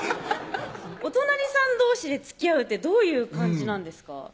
お隣さんどうしでつきあうってどういう感じなんですか？